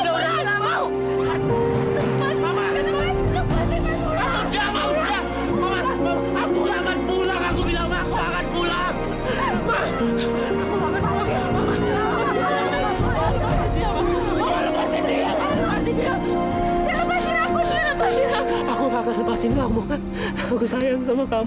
lepaskan aku wih aku gak mau ditemenin sama kamu lepaskan